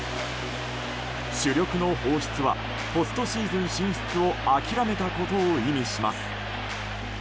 主力の放出はポストシーズン進出を諦めたことを意味します。